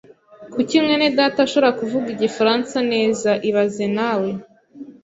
Kuki mwene data ashobora kuvuga Igifaransa neza ibaze nawe